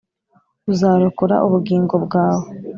Uzarokora ubugingo bwawe